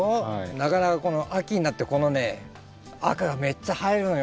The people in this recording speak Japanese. なかなかこの秋になってこのね赤がめっちゃ映えるのよ